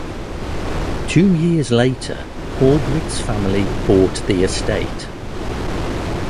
Two years later Haugwitz family bought the estate.